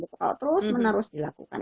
kalau terus menerus dilakukan